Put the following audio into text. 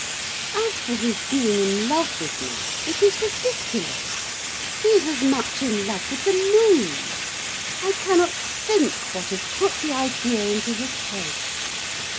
As for his being in love with me; it is ridiculous. He is as much in love with the moon. I cannot think what has put the idea into his head.